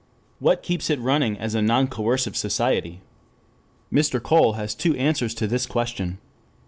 What keeps it running as a non coercive society? Mr. Cole has two answers to this question.